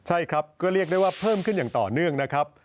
ใช่ครับก็เรียกได้ว่าเพิ่มขึ้นอย่างต่อเนื่องนะครับ